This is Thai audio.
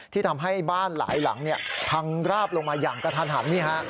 ทำให้บ้านหลายหลังพังราบลงมาอย่างกระทันหัน